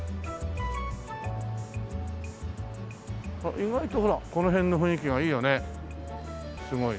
あっ意外とほらこの辺の雰囲気がいいよねすごい。